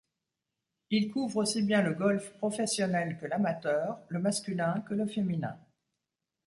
Il couvre aussi bien le golf professionnel que l'amateur, le masculin que le féminin.